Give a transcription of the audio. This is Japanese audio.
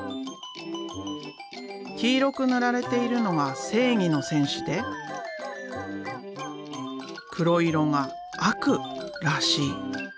黄色く塗られているのが「正義」の戦士で黒色が「悪」らしい。